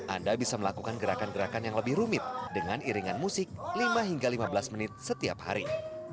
anda bisa melakukan gerakan gerakan yang lebih rumit dengan iringan musik lima hingga lima belas menit setiap hari